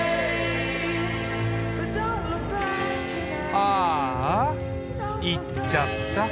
ああ行っちゃった。